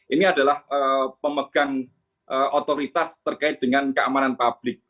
ini adalah pemegang otoritas terkait dengan keamanan publik